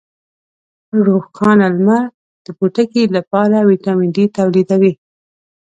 روښانه لمر د پوټکي لپاره ویټامین ډي تولیدوي.